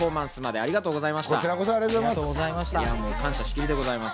ありがとうございます。